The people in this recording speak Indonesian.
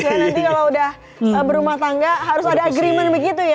langsung cus ya nanti kalau udah berumah tangga harus ada agreement begitu ya